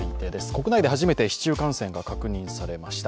国内で初めて市中感染が確認されました。